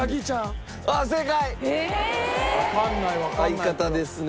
相方ですね